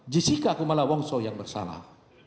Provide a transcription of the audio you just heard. jessica kumala wongso yang bersalah